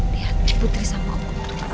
lihat diputri sama aku